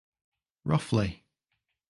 Roughly!